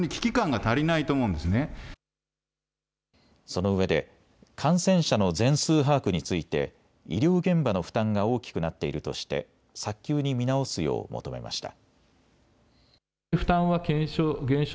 そのうえで感染者の全数把握について医療現場の負担が大きくなっているとして早急に見直すよう求めました。